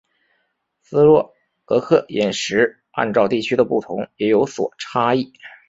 斯洛伐克饮食按照地区的不同也有所差异。